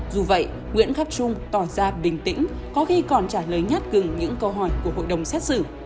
dù vậy nguyễn khắc trung tỏ ra bình tĩnh có khi còn trả lời nhất cùng những câu hỏi của hội đồng xét xử